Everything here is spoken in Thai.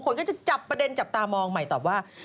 คนก็จะจับประเด็นจับตามองใหม่ตอบว่า